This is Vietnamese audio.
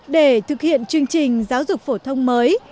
để thực hiện chương trình giáo dục phổ thông mới